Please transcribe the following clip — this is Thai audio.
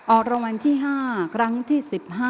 ออกรางวัลที่๕ครั้งที่๑๕